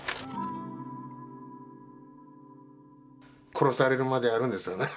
殺されるまでやるんですよね。